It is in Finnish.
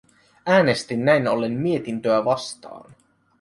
Äänestin näin ollen mietintöä vastaan.